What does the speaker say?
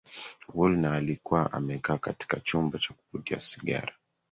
woolner alikuwa amekaa katika chumba cha kuvutia sigara